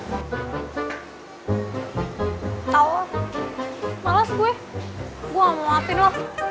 tau lah malas gue gue gak mau maafin lo